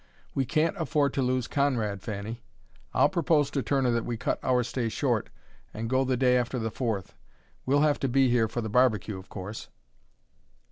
We can't afford to lose Conrad, Fanny. I'll propose to Turner that we cut our stay short and go the day after the Fourth. We'll have to be here for the barbecue, of course."